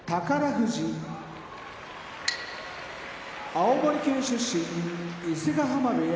富士青森県出身伊勢ヶ濱部屋